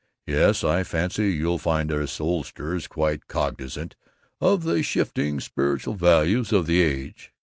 Yes, I fancy you'll find us oldsters quite cognizant of the shifting spiritual values of the age.